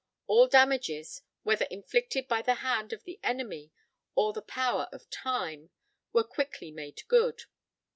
All damages, whether inflicted by the hand of the enemy or the power of time, were quickly made good.